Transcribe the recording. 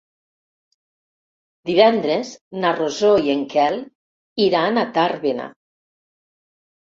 Divendres na Rosó i en Quel iran a Tàrbena.